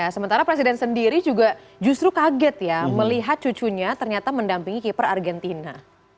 sementara presiden sendiri juga justru kaget ya melihat cucunya ternyata mendampingi keeper argentina